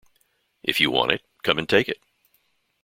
If you want it, come and take it.